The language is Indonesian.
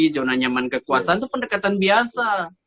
zona nyaman kekuasaan itu pendekatan biasa